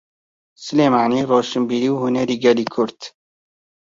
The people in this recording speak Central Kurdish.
سلێمانی ڕۆشنبیری و هونەری گەلی کورد.